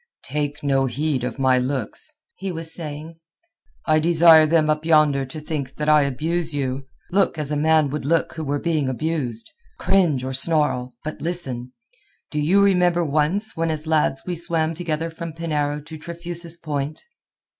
"Take no heed of my looks," he was saying. "I desire them up yonder to think that I abuse you. Look as a man would who were being abused. Cringe or snarl, but listen. Do you remember once when as lads we swam together from Penarrow to Trefusis Point?"